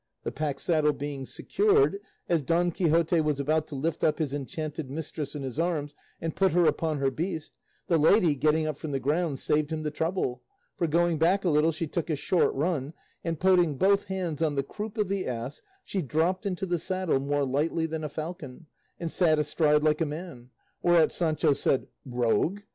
The pack saddle being secured, as Don Quixote was about to lift up his enchanted mistress in his arms and put her upon her beast, the lady, getting up from the ground, saved him the trouble, for, going back a little, she took a short run, and putting both hands on the croup of the ass she dropped into the saddle more lightly than a falcon, and sat astride like a man, whereat Sancho said, "Rogue!